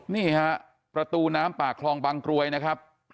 นี่ฮะประตูน้ำปากคลองบางกรวยนะครับ